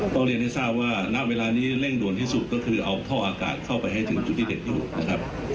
เรียนให้ทราบว่าณเวลานี้เร่งด่วนที่สุดก็คือเอาท่ออากาศเข้าไปให้ถึงจุดที่เด็กอยู่นะครับ